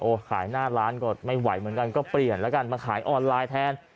ขายหน้าร้านก็ไม่ไหวเหมือนกันก็เปลี่ยนแล้วกันมาขายออนไลน์แทน